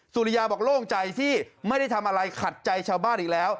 สุริยาบอกโล่งใจที่ไม่ได้ทำอะไรขัดใจชาวบ้านอีกแล้ว